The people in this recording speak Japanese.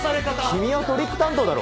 君はトリック担当だろ！